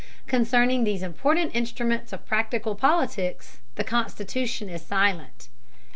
Concerning these important instruments of practical politics, the Constitution is silent.